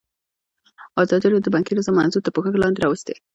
ازادي راډیو د بانکي نظام موضوع تر پوښښ لاندې راوستې.